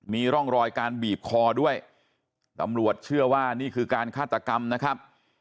มีร่องรอยการบีบคอด้วยตำรวจเชื่อว่านี่คือการฆาตกรรมนะครับ